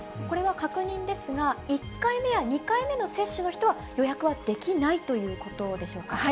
これは確認ですが、１回目や２回目の接種の人は、予約はできないということでしょうか？